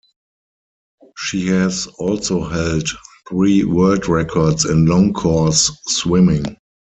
She has also held three world records in long course swimming.